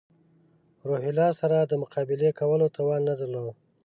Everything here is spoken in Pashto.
روهیله سره د مقابلې کولو توان نه درلود.